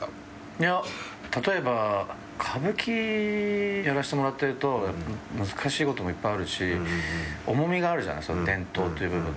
いや例えば歌舞伎やらせてもらってると難しいこともいっぱいあるし重みがあるじゃない伝統という部分で。